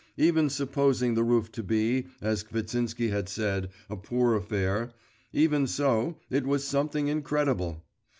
Even supposing the roof to be, as Kvitsinsky had said, a poor affair, even so, it was something incredible!